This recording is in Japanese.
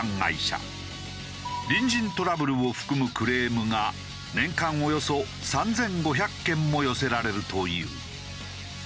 隣人トラブルを含むクレームが年間およそ３５００件も寄せられるという。